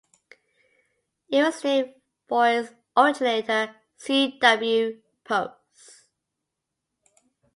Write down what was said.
It was named for its originator, C. W. Post.